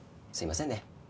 すいませんね。